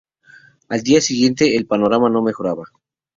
Al día siguiente, el panorama no mejoraba.